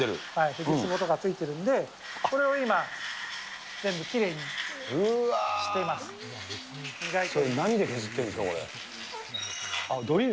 フジツボとかついてるんで、これを今、全部きれいにしていまうわー。